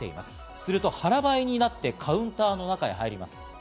すると腹ばいになってカウンターの中へ入ります。